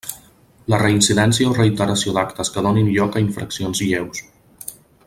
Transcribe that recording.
La reincidència o reiteració d'actes que donin lloc a infraccions lleus.